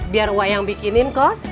biar wak yang bikinin kos